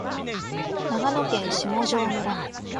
長野県下條村